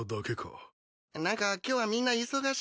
何か今日はみんな忙しいみたいで。